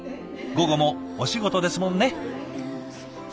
午後もお仕事ですもんね。